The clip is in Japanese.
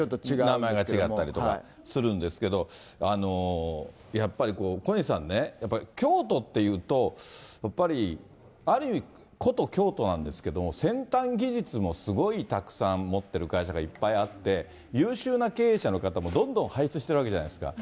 名前が違ったりとかするんですけど、やっぱりこう、小西さんね、やっぱり京都っていうと、やっぱりある意味、古都・京都なんですけど、先端技術もすごいたくさん持ってる会社がいっぱいあって、優秀な経営者の方もどんどん輩出しているわけじゃないですか。